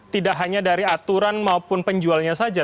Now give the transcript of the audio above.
tidak hanya dari aturan maupun penjualnya saja